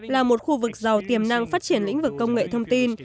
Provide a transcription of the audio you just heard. là một khu vực giàu tiềm năng phát triển lĩnh vực công nghệ thông tin